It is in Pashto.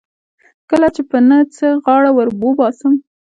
کله کله یې په نه څه غاړه ور وباسم.